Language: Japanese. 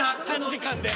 短時間で。